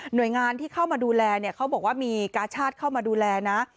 โดยงานที่เข้ามาดูแลเนี่ยเขาบอกว่ามีกาชาติเข้ามาดูแลนะ